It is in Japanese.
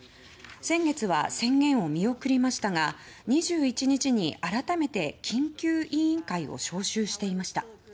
先月は宣言を見送りましたが２１日に改めて緊急委員会を招集していました。